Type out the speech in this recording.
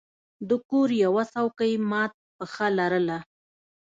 د کور یوه څوکۍ مات پښه لرله.